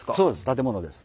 建物です。